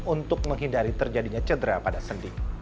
untuk menghindari terjadinya cedera pada sendi